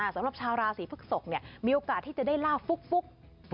สำหรับชาวราศีพฤกษกมีโอกาสที่จะได้ลาบฟุก